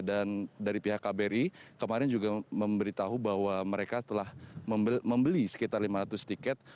dan dari pihak kbri kemarin juga memberitahu bahwa mereka telah membeli sekitar lima ratus tiket